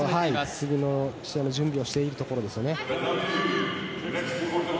次の試合の準備をしているところですね。